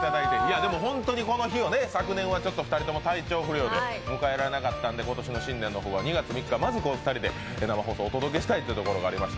でもホントにこの日を昨年は２人、体調不良で迎えられなかったので今年の新年の方はまずまずこの２人で生放送お届けしたいというのがありました